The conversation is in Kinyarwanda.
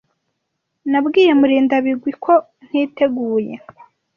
Nabwiye Murindabigwi ko ntiteguye.